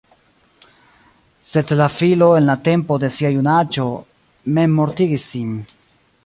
Sed la filo en la tempo de sia junaĝo memmortigis sin.